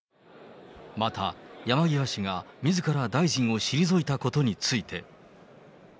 また、山際氏がみずから大臣を退いたことについて。